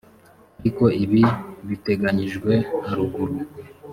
ariko ibi biteganyijwe haruguru